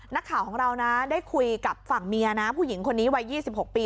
นักข่าวของเรานะได้คุยกับฝั่งเมียนะผู้หญิงคนนี้วัย๒๖ปี